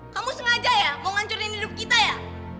kamu sengaja ya mau ngancurin hidup kita ya